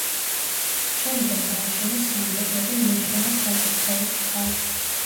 შენობას დააშენეს სამრეკლო და მიაშენეს საკურთხევლის მხარე.